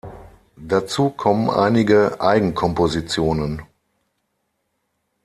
Dazu kommen einige Eigenkompositionen.